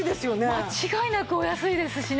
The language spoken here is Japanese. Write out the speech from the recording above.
間違いなくお安いですしね。